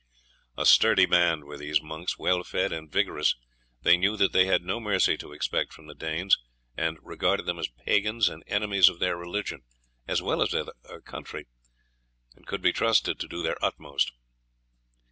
A sturdy band were these monks, well fed and vigorous. They knew that they had no mercy to expect from the Danes, and, regarding them as pagans and enemies of their religion as well as of their country, could be trusted to do their utmost.